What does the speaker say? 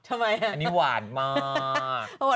อันนี้หวานมาก